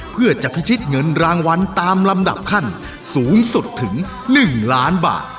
เพื่อจะพิชิตเงินรางวัลตามลำดับขั้นสูงสุดถึง๑ล้านบาท